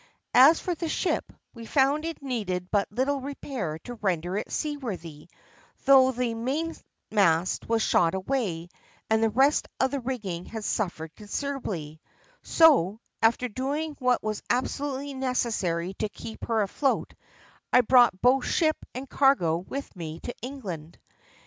As for the ship, we found it needed but little repair to render it sea worthy, though the mainmast was shot away, and the rest of the rigging had suffered considerably; so, after doing what was absolutely necessary to keep her afloat, I brought both ship and cargo with me to England.